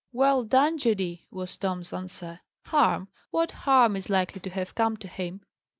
"Well done, Judy!" was Tom's answer. "Harm! What harm is likely to have come to him?